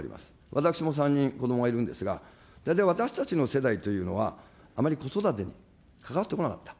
私も３人こどもがいるんですが、大体私たちの世代というのは、あまり子育てに関わってこなかった。